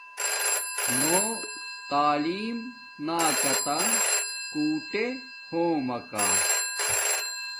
نو تعلیم ناکاتہ کُوٹے ہوم مکہ